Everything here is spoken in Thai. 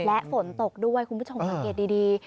และฝนตกด้วยคุณผู้ชมสังเกตดี